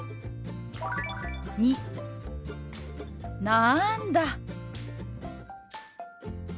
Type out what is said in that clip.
「なんだ」。